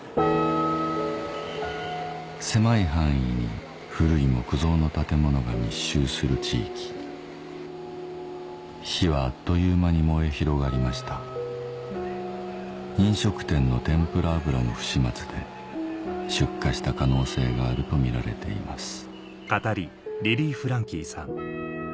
狭い範囲に古い木造の建物が密集する地域火はあっという間に燃え広がりました飲食店の天ぷら油の不始末で出火した可能性があるとみられています